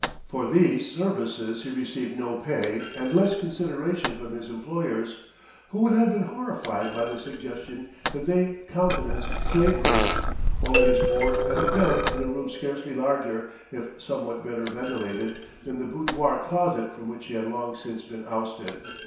For these services he received no pay and less consideration from his employers (who would have been horrified by the suggestion that they countenanced slavery) only his board and a bed in a room scarcely larger, if somewhat better ventilated, than the boudoir closet from which he had long since been ousted.